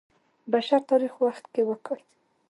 بشر تاریخ وخت کې وکړ.